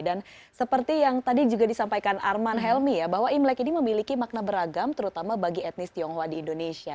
dan seperti yang tadi juga disampaikan arman helmi ya bahwa imlek ini memiliki makna beragam terutama bagi etnis tionghoa di indonesia